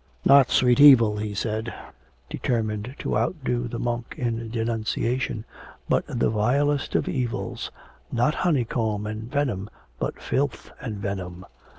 _ 'Not sweet evil,' he said, determined to outdo the monk in denunciation, 'but the vilest of evils, not honeycomb and venom but filth and venom.